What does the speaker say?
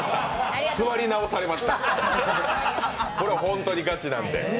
座り直されましたホントにガチなんで。